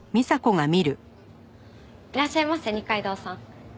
いらっしゃいませ二階堂さん。